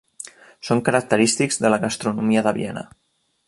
Són característics de la gastronomia de Viena.